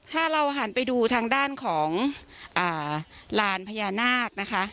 ถ้าเราหันไปดูทางด้านของลานพญานาคนะคะ